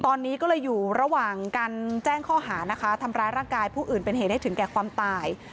ตอนนี้ก็เลยอยู่ระหว่างการแจ้งข้อหานะคะทำร้ายร่างกายผู้อื่นเป็นเหตุให้ถึงแก่ความตาย